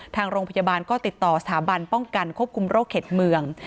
ทางโรงพยาบาลก็ติดต่อสถาบันป้องกันควบคุมโรคเข็ดเมือง